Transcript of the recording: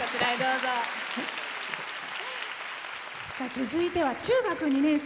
続いては中学２年生。